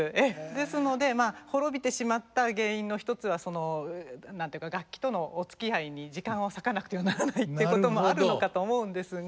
ですので滅びてしまった原因の一つはその何て言うか楽器とのおつきあいに時間を割かなくてはならないってこともあるのかと思うんですが。